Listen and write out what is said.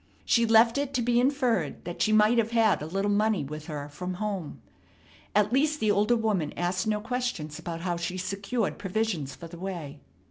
She left it to be inferred that she might have had a little money with her from home. At least, the older woman asked no questions about how she secured provisions for the way.